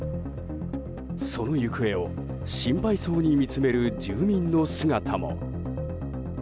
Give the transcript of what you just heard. その行方を心配そうに見つめる住民の姿も。